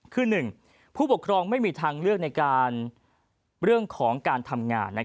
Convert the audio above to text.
คือ๑ผู้ปกครองไม่มีทางเลือกในการเรื่องของการทำงาน